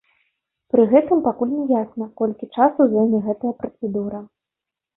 Пры гэтым пакуль не ясна, колькі часу зойме гэтая працэдура.